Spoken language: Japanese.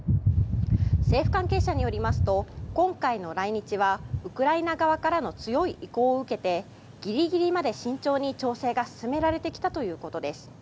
政府関係者によりますと今回の来日はウクライナ側からの強い意向を受けてギリギリまで慎重に調整が進められてきたということです。